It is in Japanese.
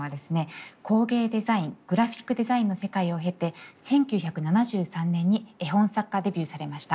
工芸デザイングラフィックデザインの世界を経て１９７３年に絵本作家デビューされました。